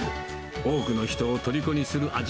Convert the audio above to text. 多くの人をとりこにする味。